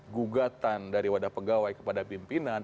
gugatan dari wadah pegawai kepada pimpinan